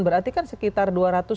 berarti kan sekitar dua ratus lima puluh